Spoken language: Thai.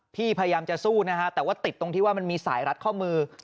พยายามจะสู้นะฮะแต่ว่าติดตรงที่ว่ามันมีสายรัดข้อมือ